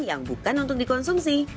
yang bukan untuk dikonsumsi